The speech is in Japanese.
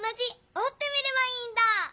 おってみればいいんだ！